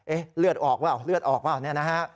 เอ๊ะเลือดออกว่าเลือดออกว่านี่นะฮะ